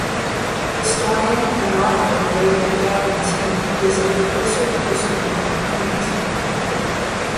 Historian and author Donald Akenson is a Professor of History at Queen's.